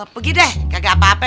pergi deh gak apa apa